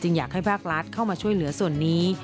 อยากให้ภาครัฐเข้ามาช่วยเหลือส่วนนี้